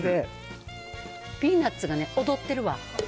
ピーナッツがね、踊ってるわ。